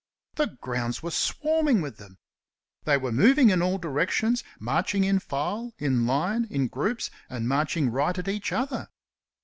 The grounds were swarming with them. They were moving in all directions, marching in file, in line, in groups, and marching right at each other.